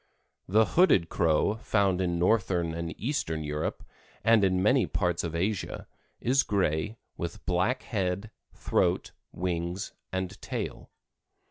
The Hooded Crow, found in northern and eastern Europe and in many parts of Asia, is gray, with black head, throat, wings and tail.